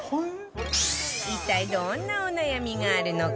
一体どんなお悩みがあるのか？